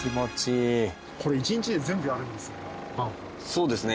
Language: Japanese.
そうですね。